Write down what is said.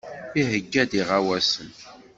Iheyya-d iɣawasen.